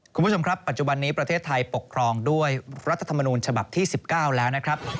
คุณผู้ชมครับปัจจุบันนี้ประเทศไทยปกครองด้วยรัฐธรรมนูญฉบับที่๑๙แล้วนะครับ